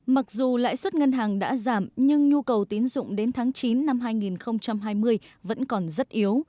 mặc dù lãi suất ngân hàng đã giảm nhưng nhu cầu tín dụng đến tháng chín năm hai nghìn hai mươi vẫn còn rất yếu